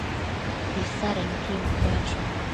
Isannequimbo cuensho